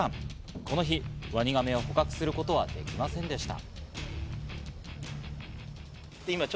この日、ワニガメを捕獲することはできませんでした。